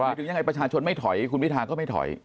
ถึงยังไงประชาชนไม่ถอยคุณพิทาก็ไม่ถอย